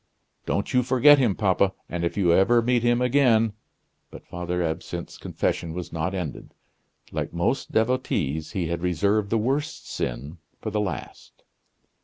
Don't you forget him, papa; and if you ever meet him again " But Father Absinthe's confession was not ended. Like most devotees, he had reserved the worst sin for the last.